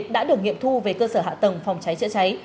đã được nghiệm thu về cơ sở hạ tầng phòng cháy chữa cháy